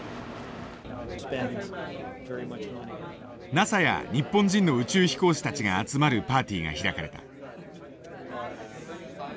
ＮＡＳＡや日本人の宇宙飛行士たちが集まるパーティーが開かれた。